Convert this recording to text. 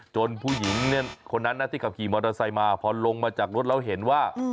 ผู้หญิงคนนั้นนะที่ขับขี่มอเตอร์ไซค์มาพอลงมาจากรถแล้วเห็นว่า